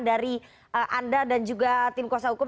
dari anda dan juga tim kuasa hukum